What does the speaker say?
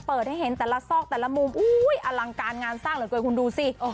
เปิดให้เห็นแต่ละซอกแต่ละมุมอุ้ยอลังการงานสร้างเหลือเกินคุณดูสิ